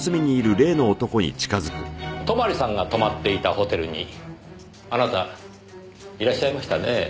泊さんが泊まっていたホテルにあなたいらっしゃいましたねぇ。